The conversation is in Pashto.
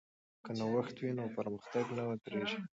که نوښت وي نو پرمختګ نه ودریږي.